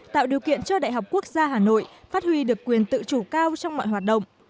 tạo điều kiện cho đại học quốc gia hà nội phát huy được quyền tự chủ cao trong mọi hoạt động